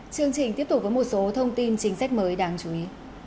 chương trình tiếp tục với một số thông tin chính sách mới đáng chú ý